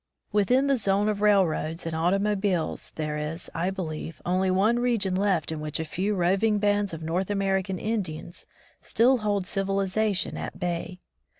Within the zone of railroads and auto mobiles there is, I believe, only one region left in which a few roving bands of North American Indians still hold civilization at bay.